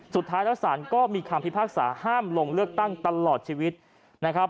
สุดท้ายแล้วศาลก็มีคำพิพากษาห้ามลงเลือกตั้งตลอดชีวิตนะครับ